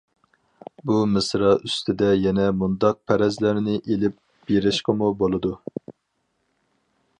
بۇ مىسرا ئۈستىدە يەنە مۇنداق پەرەزلەرنى ئېلىپ بېرىشقىمۇ بولىدۇ.